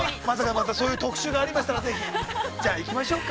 またそういう特集がありましたら、ぜひ。じゃあ行きましょうか。